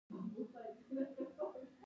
ملګری د خوښیو همراز وي